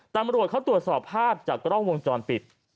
ตำรวจเขาตรวจสอบภาพจากกล้องวงจรปิด